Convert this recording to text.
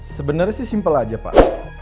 sebenarnya sih simpel aja pak